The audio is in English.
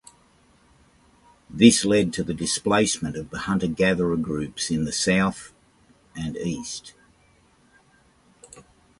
This led to the displacement of the hunter-gatherer groups in the east and southeast.